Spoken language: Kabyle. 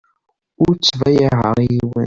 Ur ttbayaɛeɣ i yiwen.